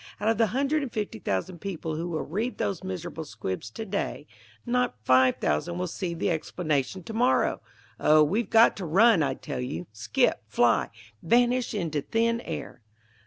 Out of the hundred and fifty thousand people who will read those miserable squibs to day, not five thousand will see the explanation to morrow. Oh, we've got to run, I tell you; skip, fly, vanish into thin air!"